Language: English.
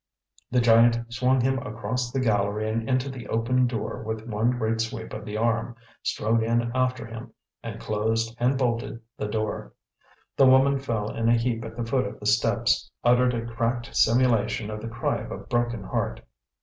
The giant swung him across the gallery and into the open door with one great sweep of the arm, strode in after him, and closed and bolted the door. The woman fell in a heap at the foot of the steps, uttered a cracked simulation of the cry of a broken heart.